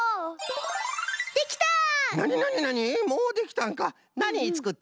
できた！